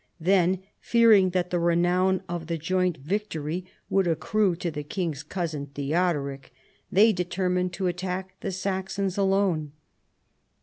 Then, fearing that the renown of the joint victory would accrue to the king's cousin Theodoric, they determined to attack the Saxons alone.